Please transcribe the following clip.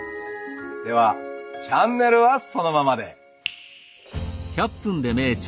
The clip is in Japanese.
ではチャンネルはそのままで。